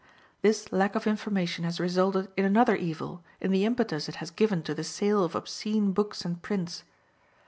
This lack of information has resulted in another evil in the impetus it has given to the sale of obscene books and prints.